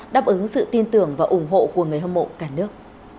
đáp ứng sự tin tưởng và ủng hộ của người hâm mộ cả nước